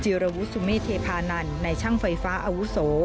รวุสุเมเทพานันในช่างไฟฟ้าอาวุโส